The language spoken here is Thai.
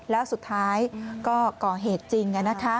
แล้วสุดท้ายก็ก่อเหตุจริง